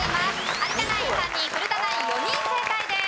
有田ナイン３人古田ナイン４人正解です。